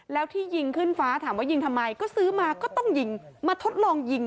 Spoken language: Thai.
แล้วที่ยิงขึ้นฟ้าถามว่ายิงทำไมก็ซื้อมาก็ต้องยิงมาทดลองยิง